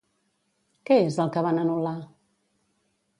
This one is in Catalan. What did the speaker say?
Què és el que van anul·lar?